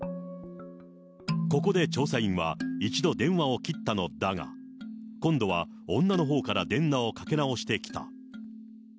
ここで調査員は、一度電話を切ったのだが、今度は女のほうから電話をかけ直してきた。